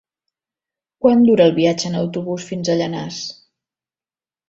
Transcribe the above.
Quant dura el viatge en autobús fins a Llanars?